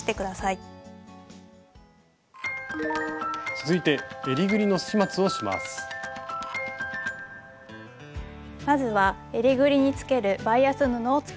続いてまずはえりぐりにつけるバイアス布を作ります。